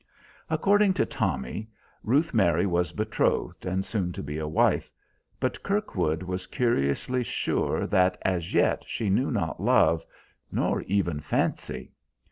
According to Tommy, Ruth Mary was betrothed and soon to be a wife, but Kirkwood was curiously sure that as yet she knew not love, nor even fancy.